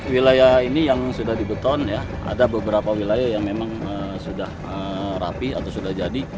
wilayah ini yang sudah di beton ya ada beberapa wilayah yang memang sudah rapi atau sudah jadi